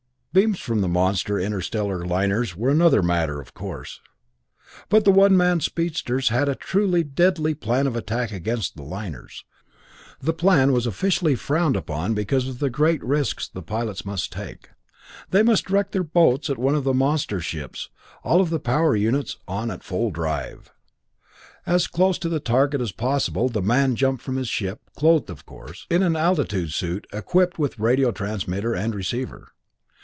Beams from the monster interstellar liners were another matter, of course. But the one man speedsters had a truly deadly plan of attack against the liners. The plan was officially frowned upon because of the great risks the pilots must take. They directed their boats at one of the monster ships, all the power units on at full drive. As close to target as possible the man jumped from his ship, clothed, of course, in an altitude suit equipped with a radio transmitter and receiver.